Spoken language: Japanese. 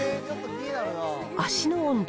足の温度